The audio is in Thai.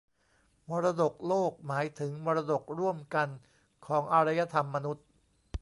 มรดกโลกหมายถึงมรดกร่วมกันของอารยธรรมมนุษย์